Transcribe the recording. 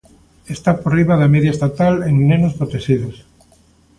Está por riba da media estatal en nenos protexidos.